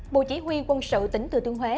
bộ chỉ huy quân sự tỉnh thừa thiên huế